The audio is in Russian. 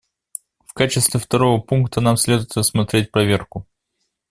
В качестве второго пункта нам следует рассмотреть проверку.